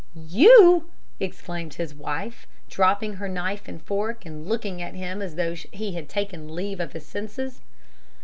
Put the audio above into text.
"You!" exclaimed his wife, dropping her knife and fork, and looking at him as if she thought he had taken leave of his senses.